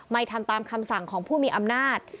ทำตามคำสั่งของผู้มีอำนาจ